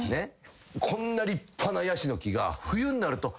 こんな立派なヤシの木が。